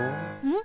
ん？